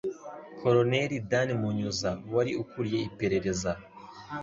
Colonel Dan Munyuza wari ukuriye iperereza